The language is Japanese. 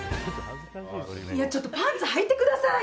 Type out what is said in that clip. いや、ちょっとパンツはいてください！